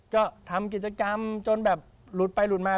ก็ทำกิจกรรมจนแบบหลุดไปหลุดมา